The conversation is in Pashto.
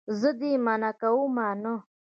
زه دې منع کومه نه.